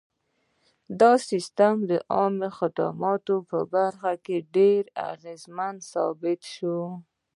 دا سیستم د عامه خدمتونو په برخه کې ډېر اغېزناک ثابت شو.